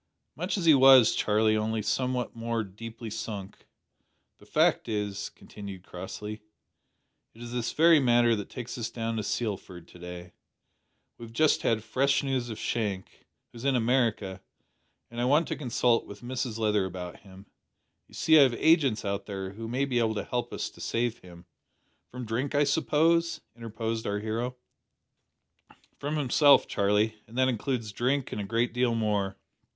"Much as he was, Charlie, only somewhat more deeply sunk. The fact is," continued Crossley, "it is this very matter that takes us down to Sealford to day. We have just had fresh news of Shank who is in America and I want to consult with Mrs Leather about him. You see I have agents out there who may be able to help us to save him." "From drink, I suppose," interposed our hero. "From himself, Charlie, and that includes drink and a great deal more.